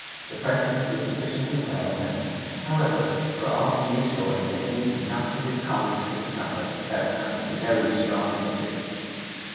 The president was sufficiently well known, however, for all to be assured that he would not put his colleagues to discomfort without some very strong motive.